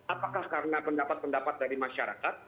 apakah karena pendapat pendapat dari masyarakat